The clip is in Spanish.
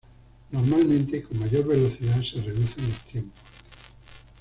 Normalmente, con mayor velocidad se reducen los tiempos.